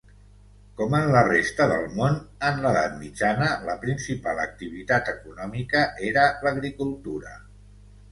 Com en la resta del món en l'edat mitjana, la principal activitat econòmica era l'agricultura.